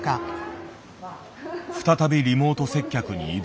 再びリモート接客に挑む。